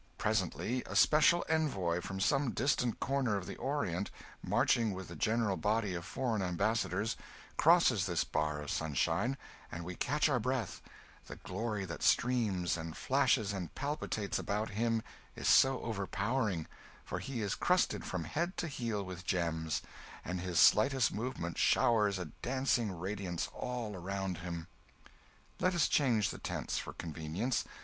Presently a special envoy from some distant corner of the Orient, marching with the general body of foreign ambassadors, crosses this bar of sunshine, and we catch our breath, the glory that streams and flashes and palpitates about him is so overpowering; for he is crusted from head to heel with gems, and his slightest movement showers a dancing radiance all around him. Let us change the tense for convenience.